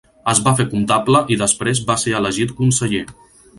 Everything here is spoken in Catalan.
Es va fer comptable i després va ser elegit conseller.